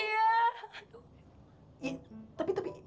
ya tapi tapi